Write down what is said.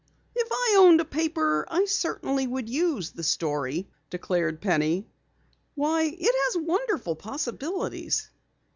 "If I owned a paper, I certainly would use the story," declared Penny. "Why, it has wonderful possibilities."